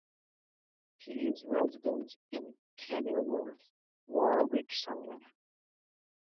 He is resident in Kenilworth, Warwickshire.